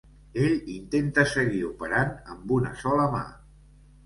Ell intenta seguir operant amb una sola mà.